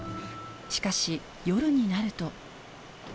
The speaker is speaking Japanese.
しかし、夜になると。